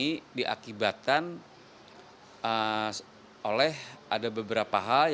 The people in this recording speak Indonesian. ini diakibatkan oleh ada beberapa hal